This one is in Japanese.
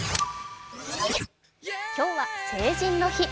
今日は成人の日。